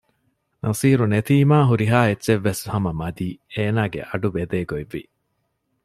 ނަޞީރު ނެތީމާ ހުރިހާ އެއްޗެއްވެސް ހަމަ މަދީ އޭނާގެ އަޑު ބެދޭގޮތް ވި